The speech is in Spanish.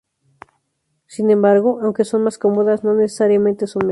Sin embargo, aunque son más cómodas no necesariamente son mejores.